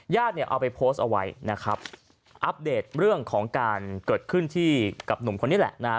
เนี่ยเอาไปโพสต์เอาไว้นะครับอัปเดตเรื่องของการเกิดขึ้นที่กับหนุ่มคนนี้แหละนะฮะ